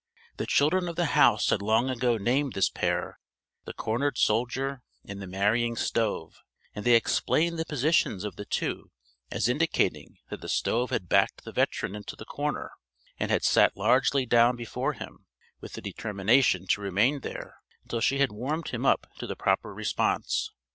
The children of the house had long ago named this pair the Cornered Soldier and the Marrying Stove; and they explained the positions of the two as indicating that the stove had backed the veteran into the corner and had sat largely down before him with the determination to remain there until she had warmed him up to the proper response.